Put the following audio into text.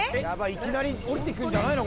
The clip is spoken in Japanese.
いきなり降りてくんじゃないの？